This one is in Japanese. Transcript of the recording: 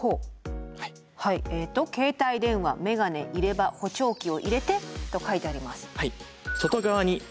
はいえっと「携帯電話・めがね入れ歯・補聴器を入れて！」と書いてあります。